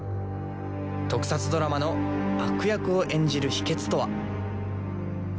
特撮ドラマの悪役を演じる秘けつとは。